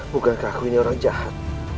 bukankah aku ini orang jahat